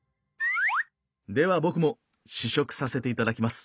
では僕も試食させていただきます。